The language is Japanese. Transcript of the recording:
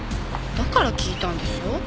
だから聞いたんですよ。